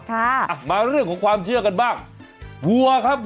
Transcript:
เขาบอกว่ามีสิ่งหลีลับอยู่ด้วยครับ